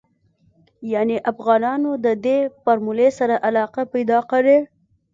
يانې افغانانو ددې فارمولې سره علاقه پيدا کړې.